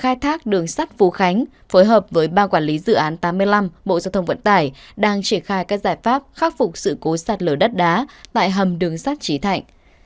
khai thác đường sắt phú khánh phối hợp với ban quản lý dự án tám mươi năm bộ giao thông vận tải đang triển khai các giải pháp khắc phục sự cố sạt lở đất đá tại hầm đường sắt trí thạnh